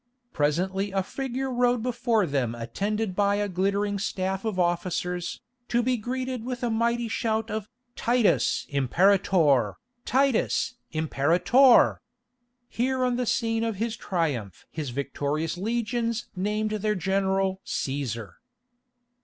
Presently a figure rode before them attended by a glittering staff of officers, to be greeted with a mighty shout of "Titus Imperator! Titus Imperator!" Here on the scene of his triumph his victorious legions named their general Cæsar.